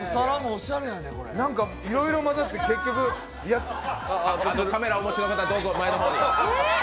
なんか、いろいろ混ざって結局カメラをお持ちの方、どうぞ前の方に。